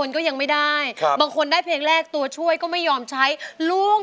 ขึ้นมาล่วงเมื่อแค่๕ช่วง